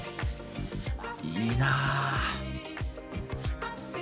いいなぁ。